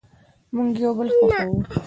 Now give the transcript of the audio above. مونږ یو بل خوښوو